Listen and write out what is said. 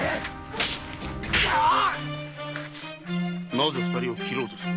なぜ二人を斬ろうとする？